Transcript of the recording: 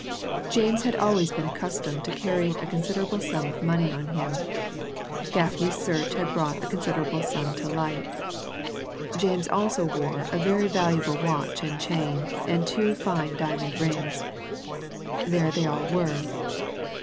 James had always been accustomed to carrying a considerable sum of money on him; Gaffney's search had brought a considerable sum to light. James also wore a very valuable watch and chain and two fine diamond rings; there they all were.